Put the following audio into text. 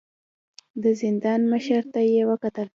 د زندان مشر ته يې وکتل.